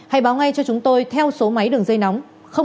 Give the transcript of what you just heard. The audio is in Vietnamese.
hãy báo ngay cho chúng tôi theo số máy đường dây nóng